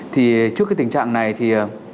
thì trước cái tình trạng này thì